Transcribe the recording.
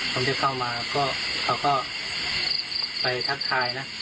ผมเจอเข้ามาเขาก็ไปทักทายนะ